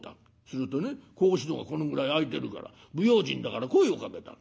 するとね格子戸がこのぐらい開いてるから不用心だから声をかけた。